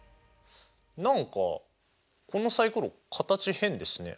何かこのサイコロ形変ですね。